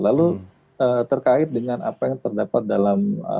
lalu terkait dengan apa yang terdapat dalam